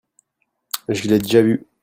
Je l'ai déjà vu.